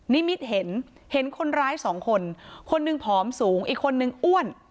นิมิตเห็นเห็นคนร้ายสองคนคนหนึ่งผอมสูงอีกคนนึงอ้วน